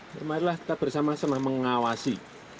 marilah kita bersama sama mengawasi